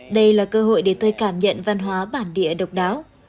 đây là cơ hội để tôi cảm nhận văn hóa bản địa độc đáo